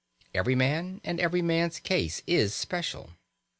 Every man and every man's case is special.